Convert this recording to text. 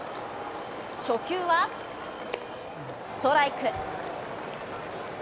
初球は、ストライク。